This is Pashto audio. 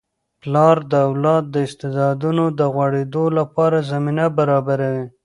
پلار د اولاد د استعدادونو د غوړیدو لپاره زمینه برابروي.